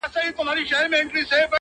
• څه لېونۍ شاني گناه مي په سجده کي وکړه.